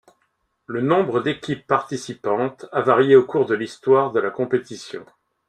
Le nombre d'équipes participantes a varié au cours de l'histoire de la compétition.